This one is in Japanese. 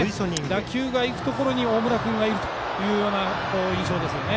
打球がいくところに大村君がいるという印象ですよね。